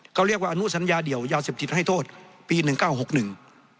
เขาเรียกว่าอนุสัญญาเดี่ยวยาเสพติดให้โทษปีหนึ่งเก้าหกหนึ่ง